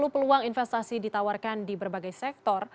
enam puluh peluang investasi ditawarkan di berbagai sektor